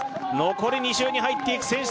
残り２周に入っていく選手